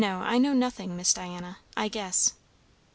I know nothing, Miss Diana. I guess."